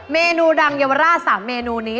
เมนูดังเยาวราช๓เมนูนี้